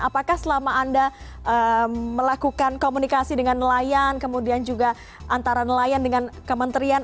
apakah selama anda melakukan komunikasi dengan nelayan kemudian juga antara nelayan dengan kementerian